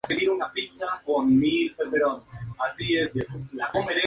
Sigue la carrera de su padre, que es entonces su primer maestro.